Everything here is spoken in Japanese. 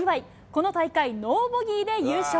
この大会、ノーボギーで優勝。